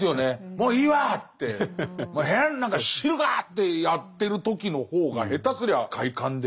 もういいわってもう部屋なんか知るかってやってる時の方が下手すりゃ快感で。